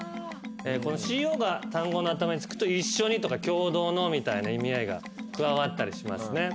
この「ｃｏ」が単語の頭に付くと「一緒」にとか「共同の」みたいな意味合いが加わったりしますね。